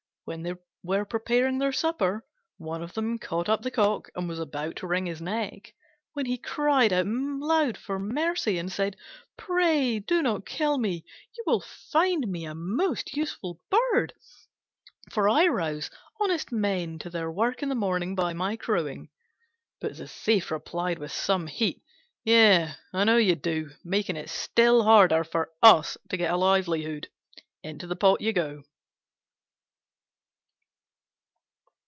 When they were preparing their supper, one of them caught up the Cock, and was about to wring his neck, when he cried out for mercy and said, "Pray do not kill me: you will find me a most useful bird, for I rouse honest men to their work in the morning by my crowing." But the Thief replied with some heat, "Yes, I know you do, making it still harder for us to get a livelihood. Into the pot you go!"